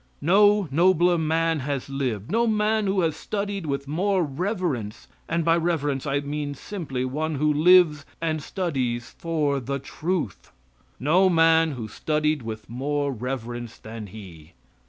No nobler man has lived no man who has studied with more reverence (and by reverence I mean simply one who lives and studies for the truth) no man who studied with more reverence than he.